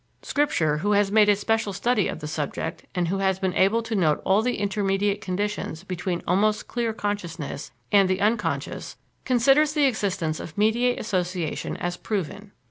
Scripture, who has made a special study of the subject, and who has been able to note all the intermediate conditions between almost clear consciousness and the unconscious, considers the existence of mediate association as proven.